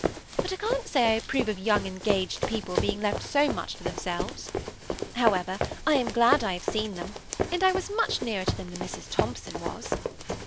But I can't say I approve of young engaged people being left so much to themselves. However, I am glad I have seen them ; and I was much nearer to them than Mrs. Thompson was."